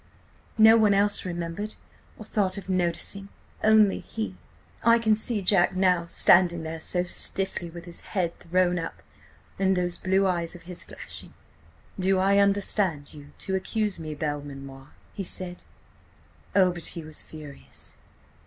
No one else remembered, or thought of noticing–only he! ... "I can see Jack now, standing there so stiffly, with his head thrown up, and those blue eyes of his flashing. "'Do I understand you to accuse me, Belmanoir?' he said. Oh, but he was furious!